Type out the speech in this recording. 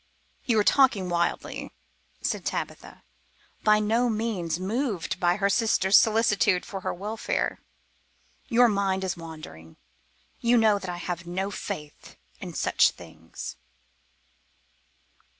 "You are talking wildly," said Tabitha, by no means moved at her sister's solicitude for her welfare. "Your mind is wandering; you know that I have no faith in such things."